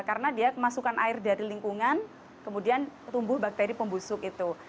karena dia kemasukan air dari lingkungan kemudian tumbuh bakteri pembusuk